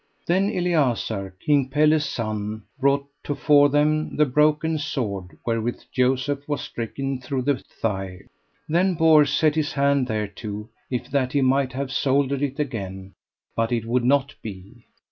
Then Eliazar, King Pelles' son, brought to fore them the broken sword wherewith Joseph was stricken through the thigh. Then Bors set his hand thereto, if that he might have soldered it again; but it would not be.